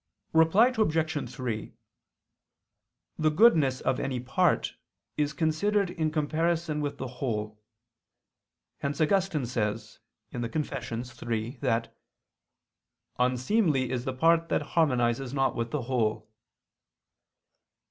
Reply Obj. 3: The goodness of any part is considered in comparison with the whole; hence Augustine says (Confess. iii) that "unseemly is the part that harmonizes not with the whole."